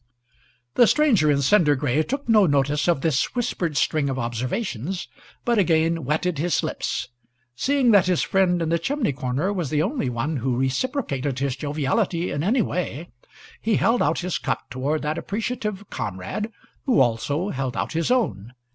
The stranger in cinder gray took no notice of this whispered string of observations, but again wetted his lips. Seeing that his friend in the chimney corner was the only one who reciprocated his joviality in any way, he held out his cup toward that appreciative comrade, who also held out his own.